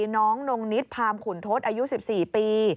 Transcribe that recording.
น้องนงนิดพามขุนทศอายุ๑๔ปี